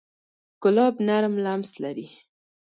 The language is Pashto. ګلاب نرم لمس لري.